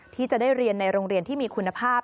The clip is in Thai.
ที่จะได้เรียนในโรงเรียนที่มีคุณภาพ